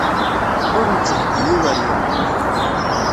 Ur netthegi iweryan.